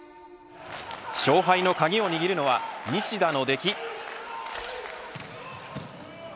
勝敗の鍵を握るのは西田の出来。